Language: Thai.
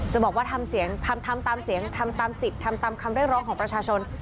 บอกว่าทำเสียงทำตามเสียงทำตามสิทธิ์ทำตามคำเรียกร้องของประชาชน